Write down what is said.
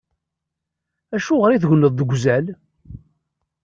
Acuɣeṛ i tegneḍ deg uzal?